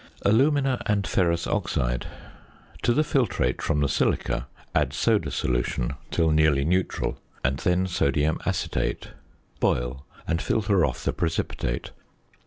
~Alumina and Ferrous Oxide.~ To the filtrate from the silica add "soda" solution till nearly neutral, and then sodium acetate. Boil and filter off the precipitate.